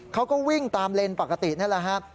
เขาก็วิ่งตามเลนปกตินั่นแหละครับ